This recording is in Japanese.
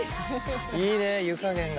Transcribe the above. いいね湯加減が。